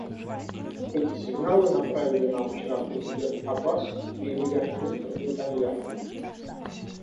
Эти сигналы направили нам вчера президент Аббас и премьер-министр Нетаньяху.